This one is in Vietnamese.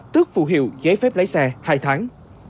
tức phụ hiệu giấy phép lái xe hai tháng